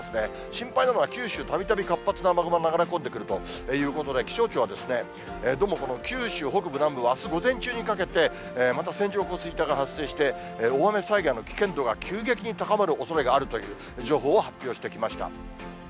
心配なのは九州、たびたび活発な雨雲が流れ込んでくるということで、気象庁はどうもこの九州北部、南部はあす午前中にかけてまた線状降水帯が発生して、大雨災害の危険度が急激に高まるおそれがあるという情報を発表してきました。